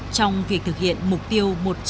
trong việc thực hiện mục tiêu